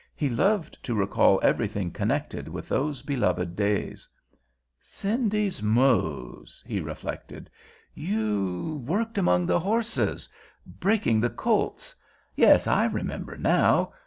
He loved to recall everything connected with those beloved days. "Cindy's Mose," he reflected. "You worked among the horses—breaking the colts. Yes, I remember now.